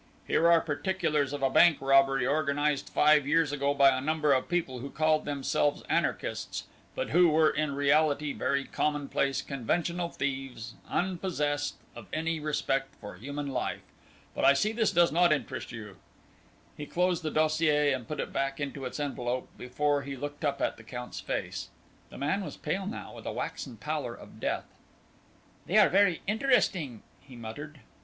Here are particulars of a bank robbery organized five years ago by a number of people who called themselves anarchists, but who were in reality very commonplace, conventional thieves unpossessed of any respect for human life. But I see this does not interest you." He closed the dossier and put it back into its envelope, before he looked up at the Count's face. The man was pale now, with a waxen pallor of death. "They are very interesting," he muttered.